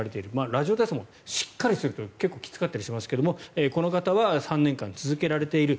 ラジオ体操もしっかりすると結構きつかったりしますがこの方は３年間続けられている。